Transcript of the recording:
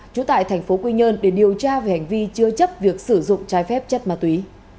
trú tại thành phố quy nhơn để điều tra về hành vi chưa chấp việc sử dụng trái phép chất ma túy